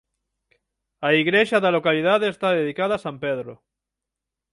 A igrexa da localidade está dedicada a San Pedro.